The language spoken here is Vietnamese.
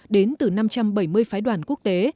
đến từ năm trăm bảy mươi phái đoàn quốc tế